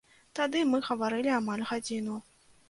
Тады мы гаварылі амаль гадзіну.